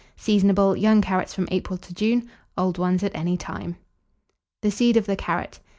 Seasonable. Young carrots from April to June, old ones at any time. THE SEED OF THE CARROT.